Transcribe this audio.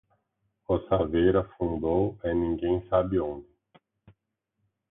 O saveiro afundou é ninguém sabe onde.